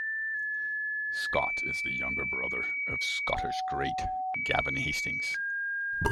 Scott is the younger brother of Scottish great Gavin Hastings.